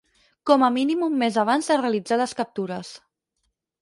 Com a mínim un mes abans de realitzar les captures.